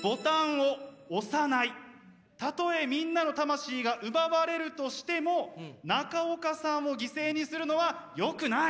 たとえみんなの魂が奪われるとしても中岡さんを犠牲にするのはよくない。